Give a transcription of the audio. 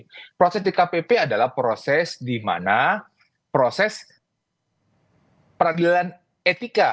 terkait dengan proses dkpp proses dkpp adalah proses di mana proses peradilan etika